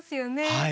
はい。